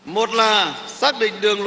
một là xác định đường lối